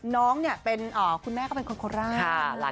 น้องเนี่ยเป็นคุณแม่ก็เป็นคนโคราช